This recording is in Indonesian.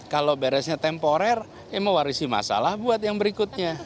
kalau beresnya temporer ya mewarisi masalah buat yang berikutnya